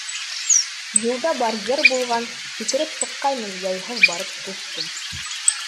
Юлда барьер булған, һикереп сыҡҡайным, яйһыҙ барып төштөм.